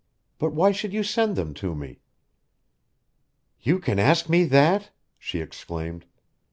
But why should you send them to me?" "You can ask me that!" she exclaimed.